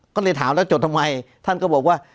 ก็เลยถามแล้วจดทำไมท่านก็บอกว่า